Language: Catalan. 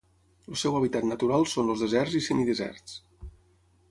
El seu hàbitat natural són els deserts i semideserts.